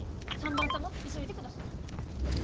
３番様急いでください。